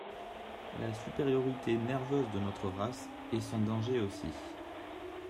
La supériorité nerveuse de notre race est son danger aussi.